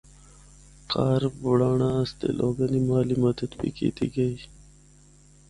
کہر بڑینڑا اسطے لوگاں دی مالی مدد بھی کیتی گئی۔